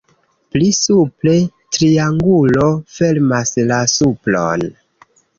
Pli supre triangulo fermas la supron.